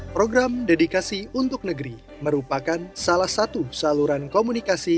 program dedikasi untuk negeri merupakan salah satu saluran komunikasi